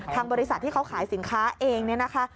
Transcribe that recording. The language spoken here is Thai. บริษัทที่เขาขายสินค้าเองเนี่ยนะคะ